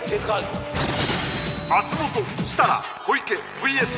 今夜は松本設楽小池ＶＳ